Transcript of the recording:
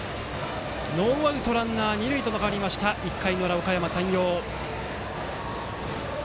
ノーアウトランナー、二塁と変わりまして１回の裏、おかやま山陽。